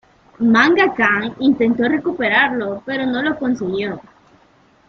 Manga Khan intentó recuperarlo, pero no lo consiguió.